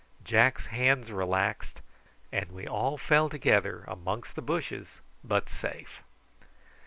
Jack's hands relaxed, and we all fell together amongst the bushes, but safe.